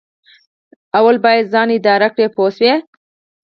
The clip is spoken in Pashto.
لومړی باید ځان اداره کړئ پوه شوې!.